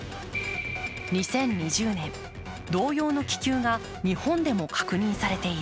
２０２０年、同様の気球が日本でも確認されている。